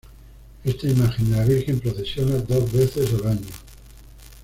Esta Imagen de la Virgen procesiona dos veces al año.